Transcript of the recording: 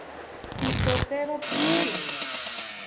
Pitotero pishi